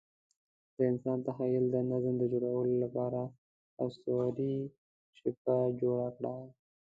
د انسان تخیل د نظم د جوړولو لپاره اسطوري شبکه جوړه کړه.